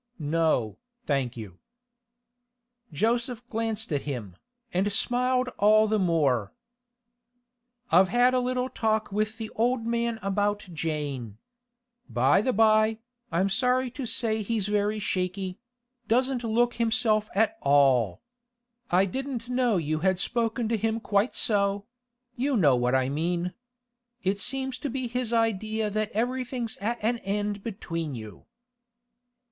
'No, thank you.' Joseph glanced at him, and smiled all the more. 'I've had a little talk with the old man about Jane. By the by, I'm sorry to say he's very shaky; doesn't look himself at all. I didn't know you had spoken to him quite so—you know what I mean. It seems to be his idea that everything's at an end between you.